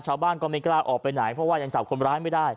ชาวบ้านก็ไม่กล้าออกไปไหนเพราะว่ายังจับคนร้ายไม่ได้